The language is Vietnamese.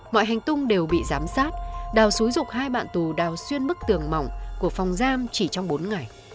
mọi hành tung đều bị giám sát đào xúi dục hai bạn tù đào xuyên bức tường mỏng của phòng giam chỉ trong bốn ngày